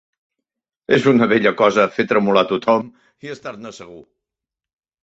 És una bella cosa fer tremolar tothom i estar-ne segur!